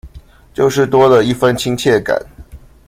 就是多了一分親切感